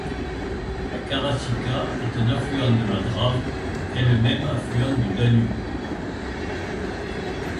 La Karašica est un affluent de la Drave, elle-même affluent du Danube.